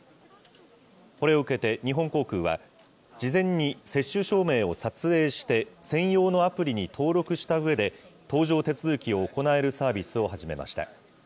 これを受けて日本航空は、事前に接種証明を撮影して、専用のアプリに登録したうえで、搭乗手続きを行えるサービスを始めました。